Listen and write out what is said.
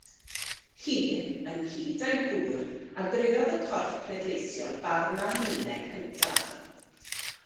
Hi, ynghyd â'i gŵr, a greodd y corff pleidleisio barn Almaeneg cyntaf.